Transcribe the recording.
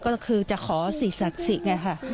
ก็คือจะขอศิษย์ศักดิ์ศิษย์